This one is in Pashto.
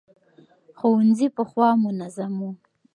ښوونځي پخوا منظم وو.